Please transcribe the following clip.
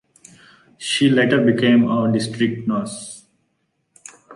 She later became a district nurse.